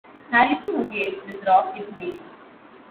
Harrison who gave this rock its name.